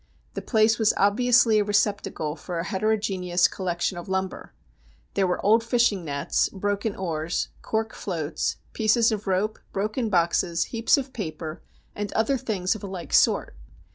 The place was obviously a receptacle for a heterogeneous collection of lumber. There were old fishing nets, broken oars, cork floats, pieces of ropes, broken boxes, heaps of paper, and other things of a like sort.